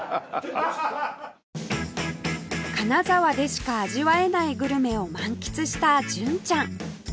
金沢でしか味わえないグルメを満喫した純ちゃん